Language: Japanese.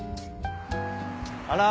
あら。